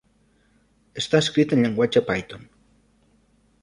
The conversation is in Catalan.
Està escrit en llenguatge Python.